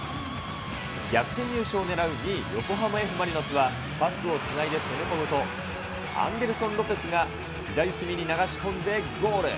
逆転優勝を狙う２位、横浜Ｆ・マリノスはパスをつないで攻め込むと、アンデルソン・ロペスが左隅に流し込んでゴール。